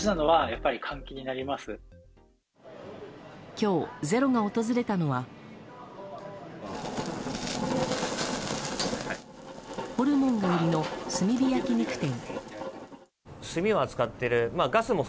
今日「ｚｅｒｏ」が訪れたのはホルモンが売りの炭火焼き肉店。